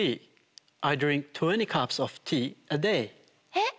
えっ！